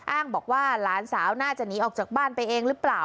อ้างบอกว่าหลานสาวน่าจะหนีออกจากบ้านไปเองหรือเปล่า